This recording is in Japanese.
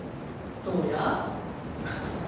そうや。